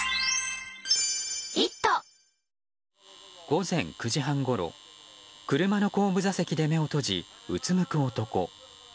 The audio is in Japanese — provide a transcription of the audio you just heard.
午前９時半ごろ車の後部座席で目を閉じうつむく男。